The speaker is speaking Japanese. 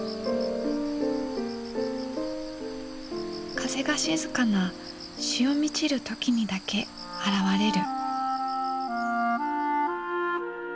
風が静かな潮満ちる時にだけ現れる。